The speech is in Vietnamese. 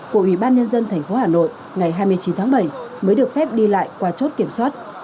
của ủy ban nhân dân tp hà nội ngày hai mươi chín tháng bảy mới được phép đi lại qua chốt kiểm soát